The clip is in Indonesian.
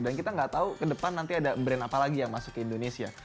dan kita nggak tahu ke depan nanti ada brand apa lagi yang masuk ke indonesia